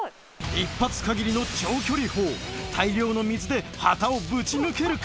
１発限りの長距離砲大量の水で旗をぶち抜けるか？